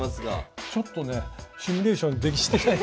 ちょっとねシミュレーションしてないから。